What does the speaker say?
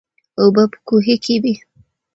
اوبه په کوهي کې وې.